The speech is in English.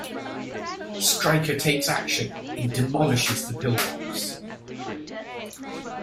Stryker takes action and demolishes the pillbox.